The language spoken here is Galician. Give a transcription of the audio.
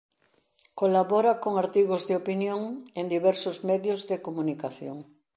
Colabora con artigos de opinión en diversos medios de comunicación.